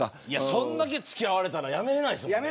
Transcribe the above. それだけ付き合われたらやめられないですよね。